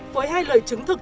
với hai lời chứng thực